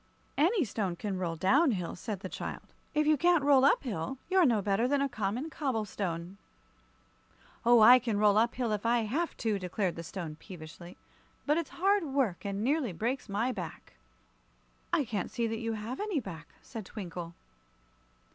"Any stone can roll down hill," said the child. "If you can't roll up hill, you're no better than a common cobble stone." "Oh, I can roll up hill if I have to," declared the Stone, peevishly. "But it's hard work, and nearly breaks my back." "I can't see that you have any back," said Twinkle.